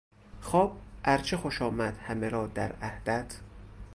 خواب ارچه خوش آمد همه را در عهدت